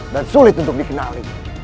dan sulit untuk dikenali